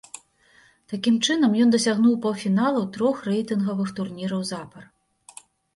Такім чынам, ён дасягнуў паўфіналаў трох рэйтынгавых турніраў запар.